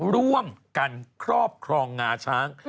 ร่วมกันครอบครองงาช้าง